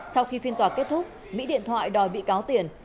sau khi phiên tòa kết thúc mỹ điện thoại đòi bị cáo tiền